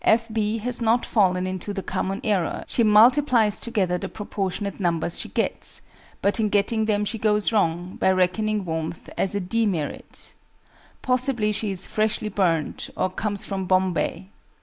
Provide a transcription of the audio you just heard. F. B. has not fallen into the common error; she multiplies together the proportionate numbers she gets, but in getting them she goes wrong, by reckoning warmth as a de merit. Possibly she is "Freshly Burnt," or comes "From Bombay."